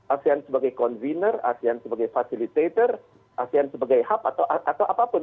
asean sebagai convener asean sebagai fasilitator asean sebagai hub atau apapun